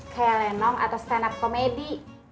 kayak lenong atau stand up komedi